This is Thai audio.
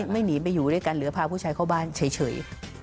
ไม่หนีไปอยู่ด้วยกันหรือพาผู้ชายเข้าบ้านเฉย